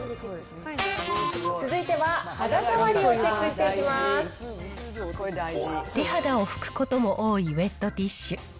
続いては、手肌を拭くことも多いウエットティッシュ。